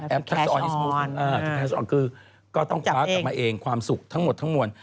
ออนคือก็ต้องคว้ากลับมาเองความสุขทั้งหมดทั้งมวล